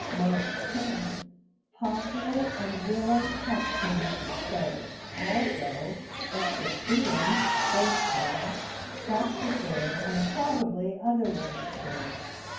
March 10 Poplar and willow catkins started; also equisetum (horse tail), saxifrage, and probably other water plants.